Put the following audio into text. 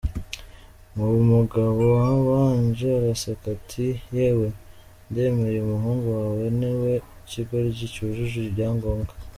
Wa mugabo wabanje araseka ati “Yewe, ndemeye umuhungu wawe ni we kigoryi cyujuje ibyangombwa !”.